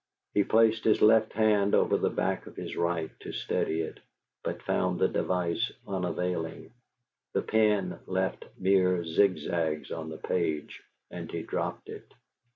He placed his left hand over the back of his right to steady it, but found the device unavailing: the pen left mere zigzags on the page, and he dropped it.